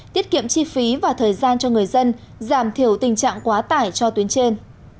tiết kiệm chi phí và thời gian cho người dân giảm thiểu tình trạng quá tải cho tuyến trên